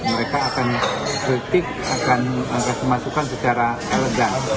mereka akan kritik akan memasukkan secara elegan